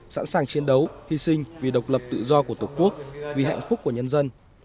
sẵn sàng chiến đấu hy sinh vì độc lập tự do của tổ quốc vì hạnh phúc của nhân dân